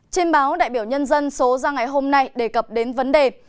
trên báo đại biểu nhân dân số ra ngày hôm nay đề cập đến vấn đề